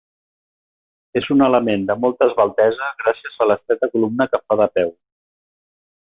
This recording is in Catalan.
És un element de molta esveltesa gràcies a l'estreta columna que fa de peu.